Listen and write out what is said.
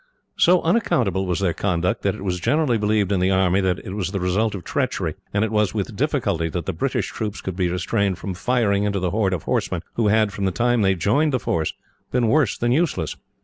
So unaccountable was their conduct, that it was generally believed in the army that it was the result of treachery; and it was with difficulty that the British troops could be restrained from firing into the horde of horsemen, who had, from the time they joined the force, been worse than useless.